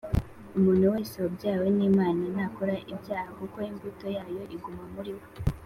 Umuntu wese wabyawe n’Imana ntakora ibyaha kuko imbuto yayo iguma muri we,